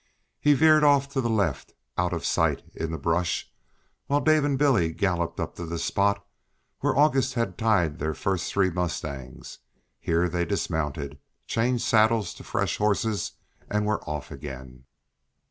He veered off to the left, out of sight in the brush, while Dave and Billy galloped up to the spot where August had tied the first three mustangs. Here they dismounted, changed saddles to fresh horses, and were off again.